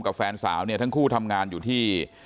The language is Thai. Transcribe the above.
กับแฟนสาวทั้งคู่ทำงานอยู่ที่